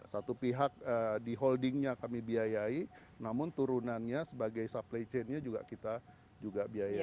satu pihak di holdingnya kami biayai namun turunannya sebagai supply chainnya juga kita juga biaya